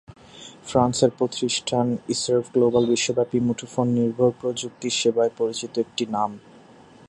ফ্রান্সের প্রতিষ্ঠান eServ global বিশ্বব্যাপী মুঠোফোন নির্ভর প্রযুক্তি সেবায় পরিচিত একটি নাম।